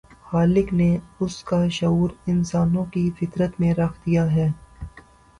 خالق نے اس کا شعور انسانوں کی فطرت میں رکھ دیا ہے۔